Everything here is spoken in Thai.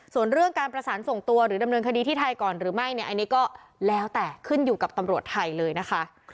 ส่วนเรื่องการประสานส่งตัวหรือดำเนินคดีที่ไทยก่อนหรือไม่เนี่ยอันนี้ก็แล้วแต่ขึ้นอยู่กับตำรวจไทยเลยนะคะ